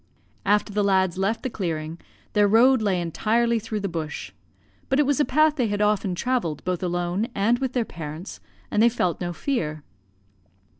After the lads left the clearing, their road lay entirely through the bush. But it was a path they had often travelled both alone and with their parents, and they felt no fear.